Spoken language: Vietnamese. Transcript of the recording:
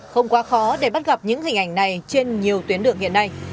không quá khó để bắt gặp những hình ảnh này trên nhiều tuyến đường hiện nay